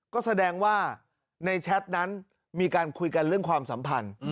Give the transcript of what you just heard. ก็แสดงว่าในแชทนั้นมีการคุยกันเรื่องความสัมพันธ์